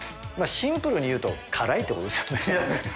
まあシンプルに言うと辛いってことですよね。